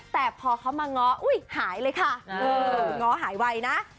แต่พอเขามาง้ออุ้ยหายเลยค่ะง้อหายไวนะ